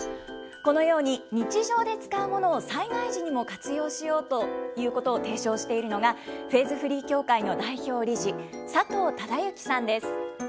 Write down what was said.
このように、日常で使うものを災害時にも活用しようということを提唱しているのが、フェーズフリー協会の代表理事、佐藤唯行さんです。